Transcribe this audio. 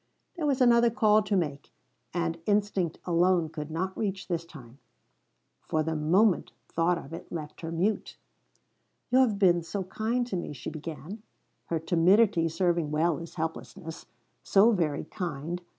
There was another call to make, and instinct alone could not reach this time. For the moment thought of it left her mute. "You have been so kind to me," she began, her timidity serving well as helplessness, "so very kind.